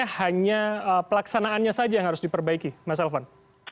hanya pelaksanaannya saja yang harus diperbaiki mas elvan